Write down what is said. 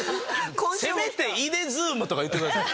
せめて「イデズーム」とか言ってください。